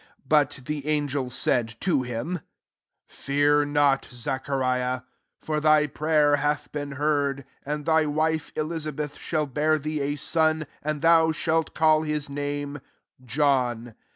13 But the angel aaid to hintj Fear not, Zachariah : for thy rayer hath been heard i and thy ife Elizabeth ehall bear thee a m, and thou ehalt coil hie name ohn.